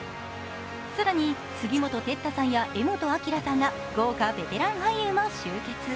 更に、杉本哲太さんや柄本明さんら豪華ベテラン俳優も集結。